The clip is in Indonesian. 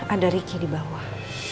ada riki di bawah